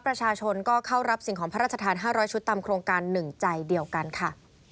ประชาชนก็เข้ารับสิ่งของพระราชทาน๕๐๐ชุดตามโครงการ๑ใจเดียวกันค่ะ